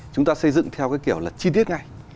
chúng ta xây dựng theo cái kiểu là chi tiết ngay